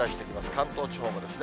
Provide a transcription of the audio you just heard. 関東地方もですね。